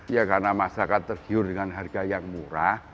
ya karena masyarakat tergiur dengan harga yang murah